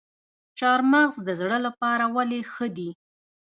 چهارمغز د زړه لپاره ولې ښه دي؟